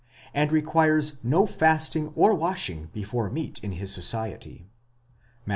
and requires no fasting or washing before meat in his society (Matt.